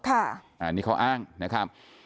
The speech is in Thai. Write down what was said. อันนี้เขาอ้างนะครับ